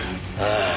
ああ。